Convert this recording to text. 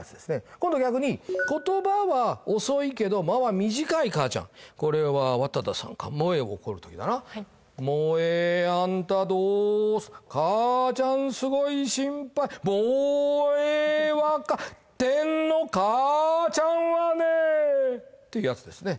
今度逆に言葉は遅いけど間は短い母ちゃんこれは和多田さんか萌衣を怒る時だな萌衣ーあんたどーうかーちゃんすごい心配萌衣ー分かってんのかーちゃんはねーってやつですね